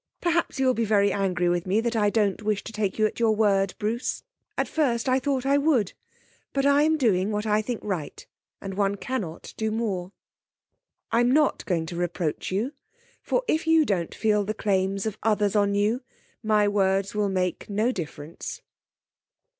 Perhaps you will be very angry with me that I don't wish to take you at your word, Bruce. At first I thought I would, but I'm doing what I think right, and one cannot do more. 'I'm not going to reproach you, for if you don't feel the claims of others on you, my words will make no difference.